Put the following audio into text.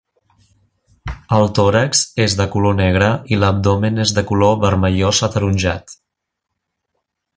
El tòrax és de color negre i l'abdomen és de color vermellós ataronjat.